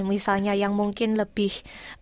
misalnya yang mungkin lebih